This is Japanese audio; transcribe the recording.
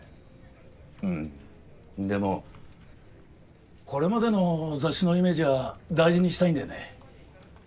うんでもこれまでの雑誌のイメージは大事にしたいんだよね。